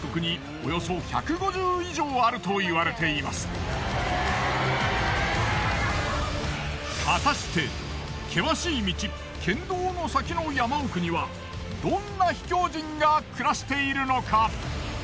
一部の果たして険しい道険道の先の山奥にはどんな秘境人が暮らしているのか？